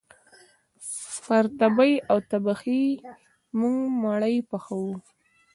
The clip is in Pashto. پر تبۍ او تبخي موږ مړۍ پخوو